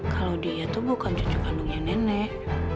kalau dia itu bukan cucu kandungnya nenek